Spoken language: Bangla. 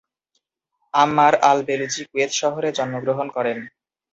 আম্মার আল-বেলুচি কুয়েত শহরে জন্মগ্রহণ করেন।